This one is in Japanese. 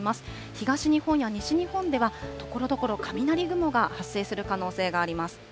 東日本や西日本ではところどころ雷雲が発生する可能性があります。